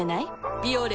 「ビオレ」